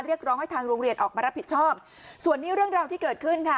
เรียกร้องให้ทางโรงเรียนออกมารับผิดชอบส่วนนี้เรื่องราวที่เกิดขึ้นค่ะ